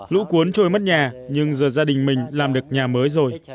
lũ cuốn trôi mất nhà nhưng giờ gia đình mình làm được nhà mới rồi